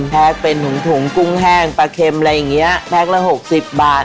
แพ็คเป็นถุงกุ้งแห้งปลาเค็มอะไรอย่างนี้แพ็คละหกสิบบาท